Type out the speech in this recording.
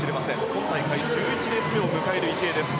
今大会１１レース目を迎える池江です。